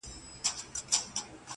نمونې مي دي په كور كي د دامونو!!